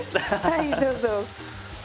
はいどうぞ。